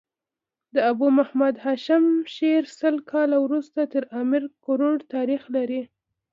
د ابو محمد هاشم شعر سل کاله وروسته تر امیر کروړ تاريخ لري.